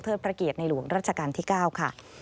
เทอดประเกตในหลวงรัชกาลที่๙ค่ะ